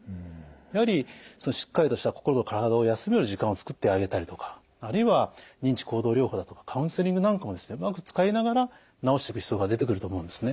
やはりしっかりとした心と体を休める時間をつくってあげたりとかあるいは認知行動療法だとかカウンセリングなんかもうまく使いながら治していく必要が出てくると思うんですね。